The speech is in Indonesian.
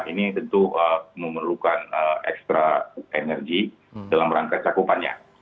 ini tentu memerlukan ekstra energi dalam rangka cakupannya